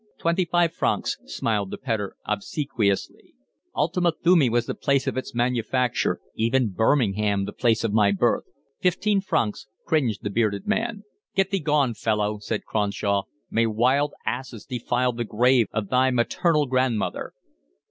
"Twenty five francs," smiled the pedlar obsequiously. "Ultima Thule was the place of its manufacture, even Birmingham the place of my birth." "Fifteen francs," cringed the bearded man. "Get thee gone, fellow," said Cronshaw. "May wild asses defile the grave of thy maternal grandmother."